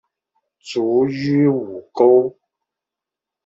卒于午沟。